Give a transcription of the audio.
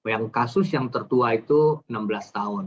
yang kasus yang tertua itu enam belas tahun